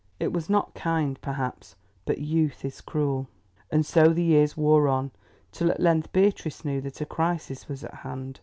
It was not kind, perhaps, but youth is cruel. And so the years wore on, till at length Beatrice knew that a crisis was at hand.